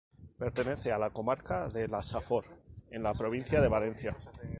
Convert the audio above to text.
Pertenece a la comarca de la Safor, en la provincia de Valencia.